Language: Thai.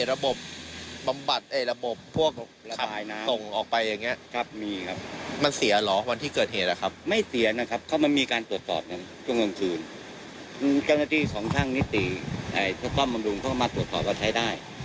และช้ามาเนี่ยเขาเอาคนข้างนอกมาตรวจสอบอีกก็เขาก็ดราวะใช้ได้